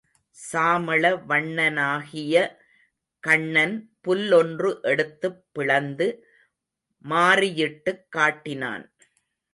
சாமள வண்ணனாகிய கண்ணன் புல் லொன்று எடுத்துப் பிளந்து மாறியிட்டுக் காட்டினான்.